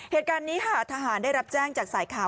เหตุการณ์นี้ค่ะทหารได้รับแจ้งจากสายข่าว